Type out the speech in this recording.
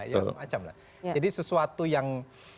ya macam lah jadi sesuatu yang